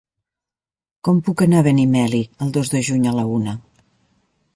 Com puc anar a Benimeli el dos de juny a la una?